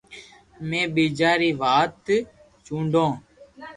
امي ٻيجا ري واٽ جونئو